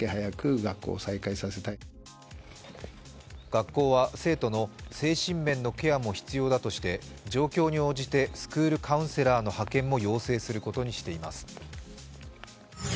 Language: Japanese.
学校は生徒の精神面のケアも必要だとして状況に応じてスクールカウンセラーの派遣も要請することにしています。